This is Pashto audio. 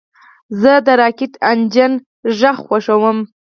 زه د راکټ انجن غږ خوښوم.